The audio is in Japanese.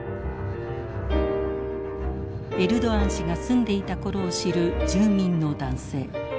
エルドアン氏が住んでいた頃を知る住民の男性。